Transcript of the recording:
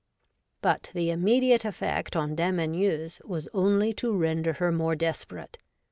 ' But the immediate effect on Dame Anieuse was only to render her more desperate.